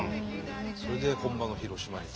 それで本場の広島に来て。